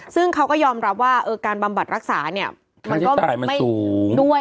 ซึ่งเขาก็ยอมรับว่าการบำบัดรักษาเนี่ยมันก็ไม่ด้วย